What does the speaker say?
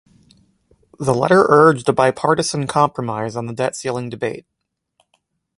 The letter urged a bipartisan compromise on the debt ceiling debate.